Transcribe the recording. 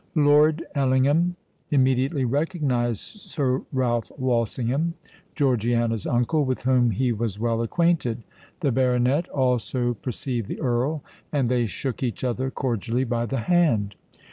Lord Ellingham immediately recognised Sir Ralph Walsingham, Georgiana's uncle, with whom he was well acquainted. The baronet also perceived the Earl; and they shook each other cordially by the hand.